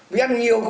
vì ăn nhiều